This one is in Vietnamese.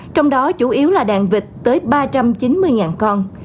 trong đó chủ yếu là đàn vịt tới ba trăm chín mươi con